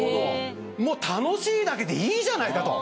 楽しいだけでいいじゃないかと。